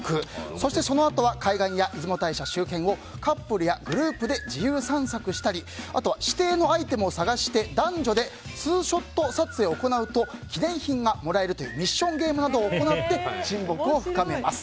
そしてそのあとは海岸や出雲大社周辺をカップルやグループで自由散策したりあとは、指定のアイテムを探して男女でツーショット撮影を行うと記念品がもらえるというミッションゲームなどを行って親睦を深めます。